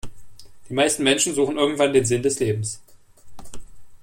Die meisten Menschen suchen irgendwann den Sinn des Lebens.